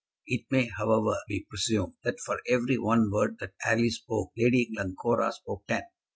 It may, however, be presumed that for every one word that Alice spoke Lady Glencora spoke ten.